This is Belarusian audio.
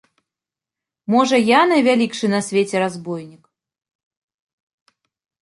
Можа, я найвялікшы на свеце разбойнік?